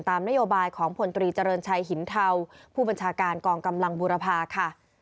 นโยบายของพลตรีเจริญชัยหินเทาผู้บัญชาการกองกำลังบูรพาค่ะ